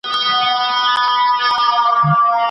نه به چاته له پنجابه وي د جنګ امر راغلی